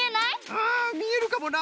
うんみえるかもな。